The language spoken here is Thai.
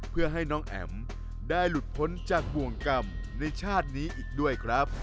เพื่อให้น้องแอ๋มได้หลุดพ้นจากบ่วงกรรมในชาตินี้อีกด้วยครับ